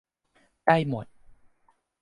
ได้หมด